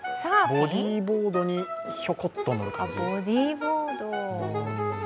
ボディーボードにひょこっと乗る感じ。